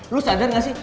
lo sadar nggak sih